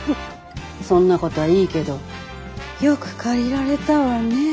そんなことはいいけどよく借りられたわね。